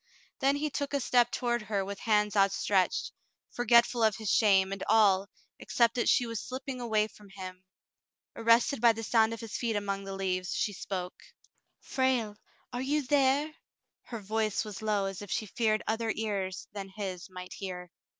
Then he took a step toward her with hands outstretched, forgetful of his shame, and all, except that she was slipping away from him. Arrested by the sound of his feet among the leaves, she spoke. "Frale, are you there?" Her voice was low as if she feared other ears than his might hear.